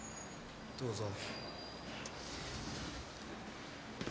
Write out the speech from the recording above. どうぞ。